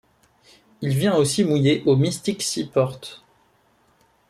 Il vient aussi mouiller au Mystic Seaport.